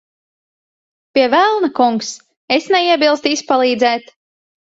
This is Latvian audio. Pie velna, kungs. Es neiebilstu izpalīdzēt.